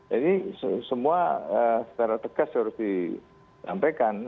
jadi semua secara tegas harus dilampaikan